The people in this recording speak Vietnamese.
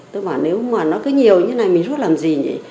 tôi bảo nếu mà nó cứ nhiều như thế này mình rút làm gì nhỉ